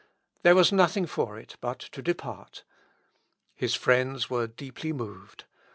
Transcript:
" There was nothing for it but to depart. His friends were deeply moved.